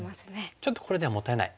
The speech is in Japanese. ちょっとこれではもったいない。